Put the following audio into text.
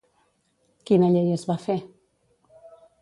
Quina llei es va fer?